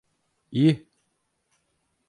İyi...